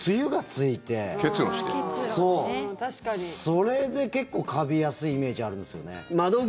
それで結構カビやすいイメージあるんですよね。